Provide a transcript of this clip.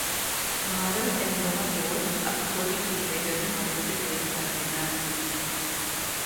வாரல் என்பனபோல் அக்கொடிச் சீலைகள் மறித்துக் கைகாட்டின.